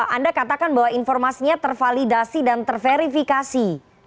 anda katakan bahwa informasinya tervalidasi dan terverifikasi